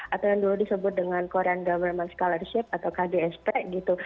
atau yang dulu disebut dengan korean government scholarship atau kdsp gitu